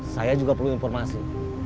saya juga perlu informasi